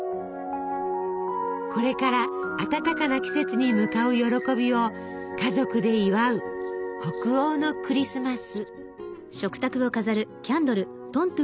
これから暖かな季節に向かう喜びを家族で祝う北欧のクリスマス。